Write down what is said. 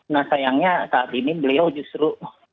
nah sayangnya saat ini beliau justru